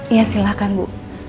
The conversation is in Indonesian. iya silakan bu